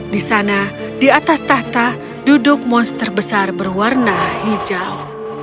di sana di atas tahta duduk monster besar berwarna hijau